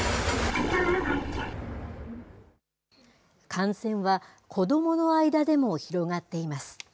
感染は子どもの間でも広がっています。